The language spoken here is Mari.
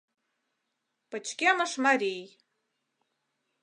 Пычкемыш марий.